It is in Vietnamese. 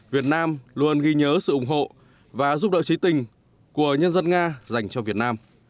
việt nam luôn ghi nhớ sự ủng hộ và giúp đỡ trí tình của nhân dân nga dành cho việt nam